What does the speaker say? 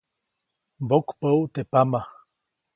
Mbokpäʼut teʼ pama.